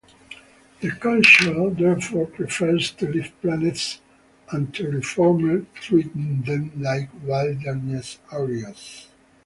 The Culture therefore prefers to leave planets unterraformed, treating them like wilderness areas.